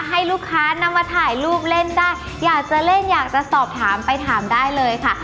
ให้ลูกค้านำมาถ่ายรูปเล่นได้อยากจะเล่นอยากจะสอบถามไปถามได้เลยค่ะ